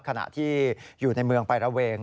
ขณะที่อยู่ในเมืองไประเวง